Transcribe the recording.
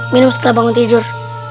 minum setelah bangun tidur